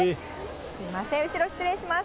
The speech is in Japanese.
すみません、後ろ失礼します。